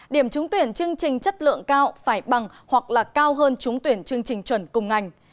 điểm trúng tuyển chương trình chất lượng cao phải bằng hoặc là cao hơn trúng tuyển chương trình chuẩn cùng ngành